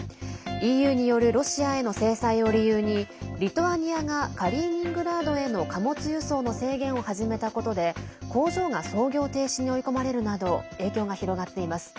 ＥＵによるロシアへの制裁を理由にリトアニアがカリーニングラードへの貨物輸送の制限を始めたことで工場が操業停止に追い込まれるなど影響が広がっています。